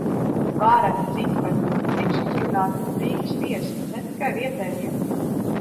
Vareni cipari! Tiks uzrunāti pat Rīgas viesi, ne tikai vietējie.